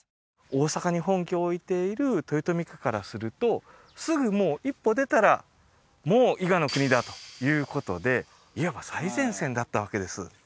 大坂に本拠を置いている豊臣家からするとすぐもう一歩出たらもう伊賀国だということでいわば最前線だったわけです